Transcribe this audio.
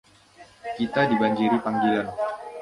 Kita dibanjiri panggilan.